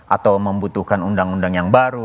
atau membutuhkan undang undang yang baru